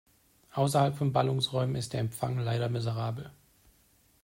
Außerhalb von Ballungsräumen ist der Empfang leider miserabel.